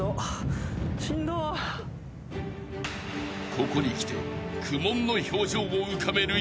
［ここにきて苦悶の表情を浮かべる雄大］